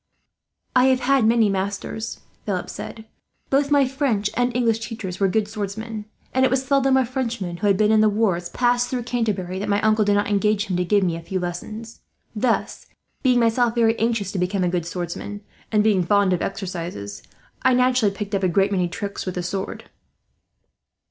"I have had many masters," Philip said. "Both my French and English teachers were good swordsmen; and it was seldom a Frenchman who had been in the wars passed through Canterbury, that my uncle did not engage him to give me a few lessons. Thus, being myself very anxious to become a good swordsman, and being fond of exercises, I naturally picked up a great many tricks with the sword."